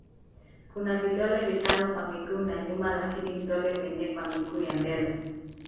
Kuna vidole vitano kwa miguu ya nyuma lakini vidole vinne kwa miguu ya mbele.